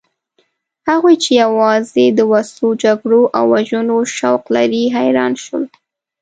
هغوی چې یوازې د وسلو، جګړو او وژنو شوق لري حیران شول.